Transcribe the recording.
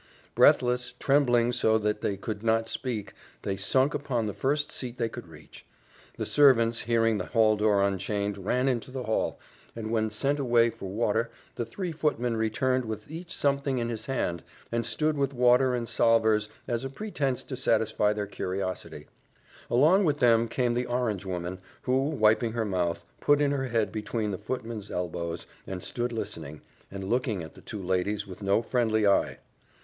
Breathless, trembling so that they could not speak, they sunk upon the first seat they could reach; the servants hearing the hall door unchained, ran into the hall, and when sent away for water, the three footmen returned with each something in his hand, and stood with water and salvers as a pretence to satisfy their curiosity; along with them came the orange woman, who, wiping her mouth, put in her head between the footmen's elbows, and stood listening, and looking at the two ladies with no friendly eye.